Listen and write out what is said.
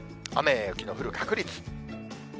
雨や雪の降る確率。